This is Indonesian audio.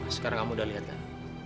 sekarang kamu udah lihat kan